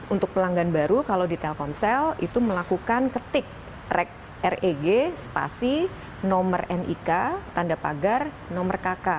untuk pelanggan baru kalau di telkomsel itu melakukan ketik reg spasi nomor nik tanda pagar nomor kk